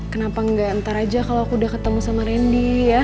kenapa nggak entar aja kalau aku udah ketemu sama randy yah